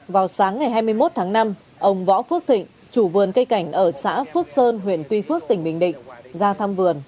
vào sáng ngày hai mươi một tháng năm ông võ phước thịnh chủ vườn cây cảnh ở xã phước sơn huyện tuy phước tỉnh bình định ra thăm vườn